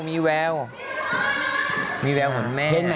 มีแววของแม่